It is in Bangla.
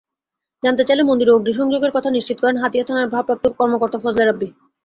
জানতে চাইলে মন্দিরে অগ্নিসংযোগের কথা নিশ্চিত করেন হাতিয়া থানার ভারপ্রাপ্ত কর্মকর্তা ফজলে রাব্বি।